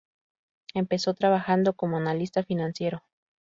Empezó trabajando como analista financiero.